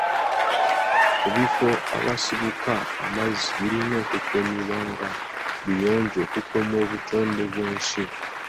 Ebifo awasibuka amazzi birina okukuumiwa nga biyonjo okukuuma obutonde bw'ensi.